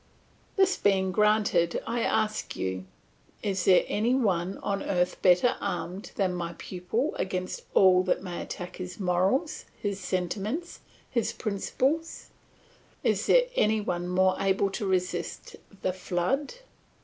This being granted, I ask you. Is there any one on earth better armed than my pupil against all that may attack his morals, his sentiments, his principles; is there any one more able to resist the flood?